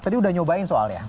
tadi udah nyobain soalnya